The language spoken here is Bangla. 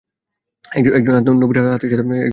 একজনের হাত নবীর হাতের সাথে আটকে গেল।